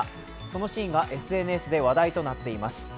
そのシーンがＳＮＳで話題となっています。